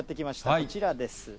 こちらです。